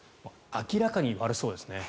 明らかに悪そうですね。